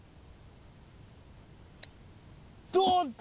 どうだ？